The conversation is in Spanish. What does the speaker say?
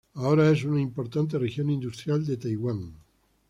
Ahora es una importante región industrial de Taiwán.